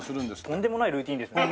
とんでもないルーチンですね。